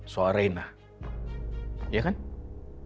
soalnya dia gak bisa ngerti kan